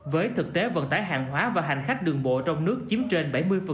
với thực tế vận tải hàng hóa và hành khách đường bộ trong nước chiếm trên bảy mươi